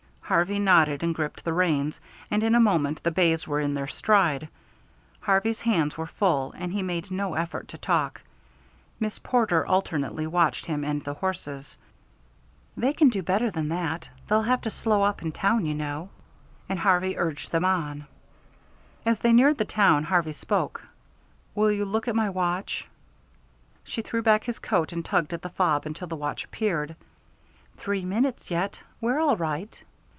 Harvey nodded and gripped the reins, and in a moment the bays were in their stride. Harvey's hands were full, and he made no effort to talk. Miss Porter alternately watched him and the horses. "They can do better than that. You'll have to slow up in town, you know." And Harvey urged them on. As they neared the town, Harvey spoke. "Will you look at my watch?" She threw back his coat and tugged at the fob until the watch appeared. "Three minutes yet. We're all right."